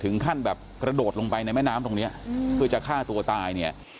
ถึงขั้นแบบกระโดดลงไปในแม่น้ำตรงนี้เพื่อจะฆ่าตัวตายเนี่ย